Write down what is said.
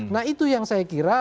nah itu yang saya kira